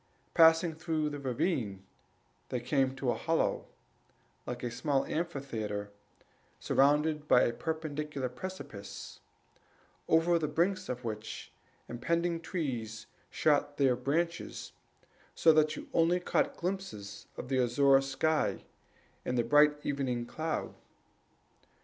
Passing through the ravine, they came to a hollow, like a small amphitheatre, surrounded by perpendicular precipices, over the brinks of which impending trees shot their branches, so that you only caught glimpses of the azure sky and the bright evening cloud.